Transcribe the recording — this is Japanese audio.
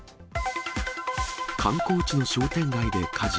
観光地の商店街で火事。